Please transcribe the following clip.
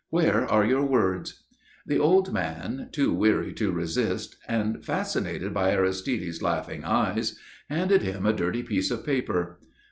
"Where are your words?" The old man, too weary to resist and fascinated by Aristide's laughing eyes, handed him a dirty piece of paper.